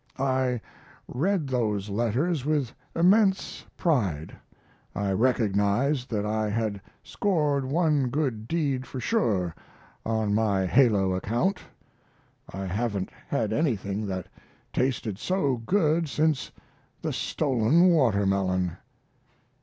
I read those letters with immense pride! I recognized that I had scored one good deed for sure on my halo account. I haven't had anything that tasted so good since the stolen watermelon.